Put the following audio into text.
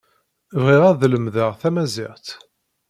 Bɣiɣ ad lemdeɣ tamaziɣt.